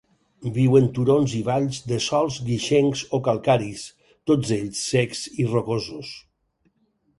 Viu en turons i valls de sòls guixencs o calcaris, tots ells secs i rocosos.